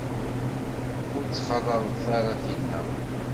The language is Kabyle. Ur ttxalaḍet ara tinna.